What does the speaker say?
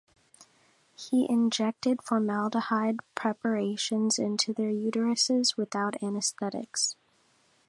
He injected formaldehyde preparations into their uteruses-without anesthetics.